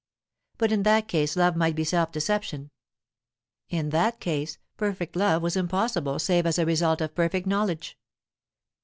But in that case love might be self deception. In that case, perfect love was impossible save as a result of perfect knowledge.